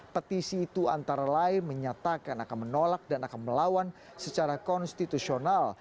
petisi itu antara lain menyatakan akan menolak dan akan melawan secara konstitusional